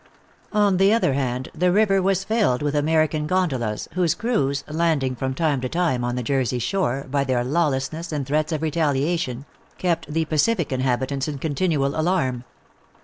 On the other hand, the river was filled with American gondolas, whose crews, landing from time to time on the Jersey shore, by their lawlessness, and threats of retaliation, kept the pacific inhabitants in continual alarm.